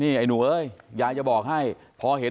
นี่ไอ้หนูเอ้ยยายจะบอกให้พอเห็น